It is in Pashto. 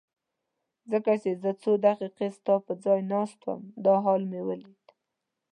ځکه چې زه څو دقیقې ستا پر ځای ناست وم دا حال مې ولید.